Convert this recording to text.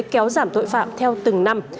kéo giảm tội phạm theo từng năm